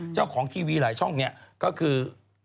เจ้าของทีวีหลายช่องเนี่ยก็คือ